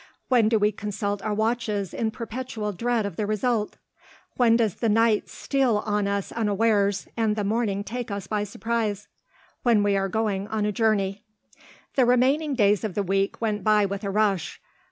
When do we consult our watches in perpetual dread of the result? When does the night steal on us unawares, and the morning take us by surprise? When we are going on a journey. The remaining days of the week went by with a rush.